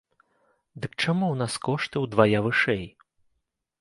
Дык чаму ў нас кошты ўдвая вышэй?